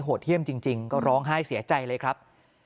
ดเยี่ยมจริงก็ร้องไห้เสียใจเลยครับ